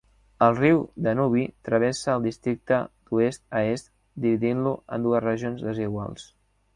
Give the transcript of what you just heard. El riu Danubi travessa el districte d'oest a est, dividint-lo en dues regions desiguals.